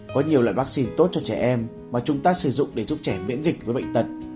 có nhiều loại vaccine tốt cho trẻ em mà chúng ta sử dụng để giúp trẻ miễn dịch với bệnh tật